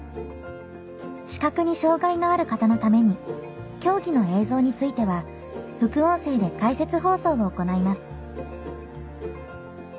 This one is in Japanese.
視覚に障がいのある方のために競技の映像については副音声で解説放送を行います。